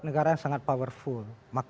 negara yang sangat powerful